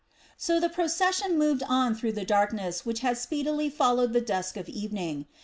So the procession moved on through the darkness which had speedily followed the dusk of evening.